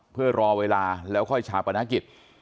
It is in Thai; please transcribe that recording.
เพื่อรอเวลาแล้วค่อยชาปนกิจ